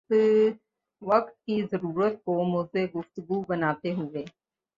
وقت کی ضرورت کو موضوع گفتگو بناتے ہوئے